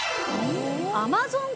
アマゾン